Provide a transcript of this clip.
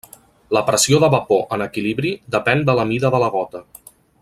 La pressió de vapor en equilibri depèn de la mida de la gota.